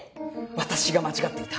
私が間違っていた。